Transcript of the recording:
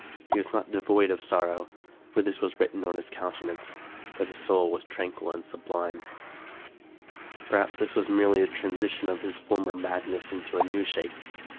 He was not devoid of sorrow, for this was written on his countenance; but his soul was tranquil and sublime. Perhaps this was merely a transition of his former mad 29J5 American Mystery Stories ness into a new shape.